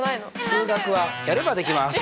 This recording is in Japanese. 数学はやればできます！